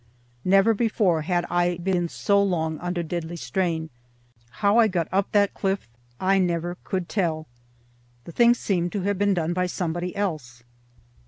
Never before had I been so long under deadly strain. How I got up that cliff I never could tell. The thing seemed to have been done by somebody else.